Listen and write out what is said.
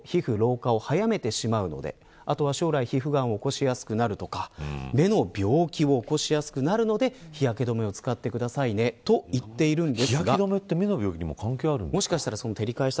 しわやしみなど、皮膚の老化を早めてしまうのであとは、将来皮膚がんを起こしやすくなるとか目の病気を起こしやすくなるので日焼け止めを使ってくださいねと言っているんです。